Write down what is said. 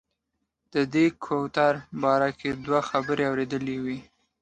د دې کوترو باره کې دوه خبرې اورېدلې وې.